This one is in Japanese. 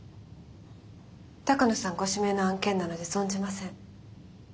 鷹野さんご指名の案件なので存じません。